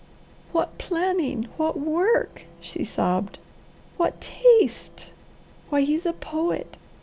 "What planning! What work!" she sobbed. "What taste! Why he's a poet!